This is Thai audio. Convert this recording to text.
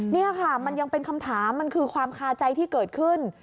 นี่ค่ะมันยังเป็นคำถามมันคือความคาใจที่เกิดขึ้น